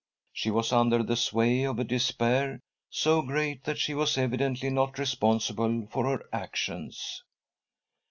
She was under the sway of a despair so great that she was evidently not responsible for her actions.